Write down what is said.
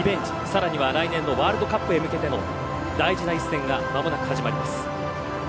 更には来年のワールドカップへ向けての大事な一戦がまもなく始まります。